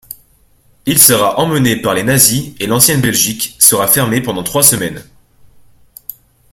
Il sera emmené par les nazis et l'Ancienne Belgique sera fermée pendant trois semaines.